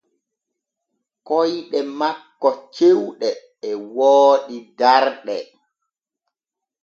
Koyɗe makko cewɗe e wooɗi darɗe.